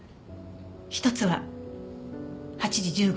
一つは８時１５分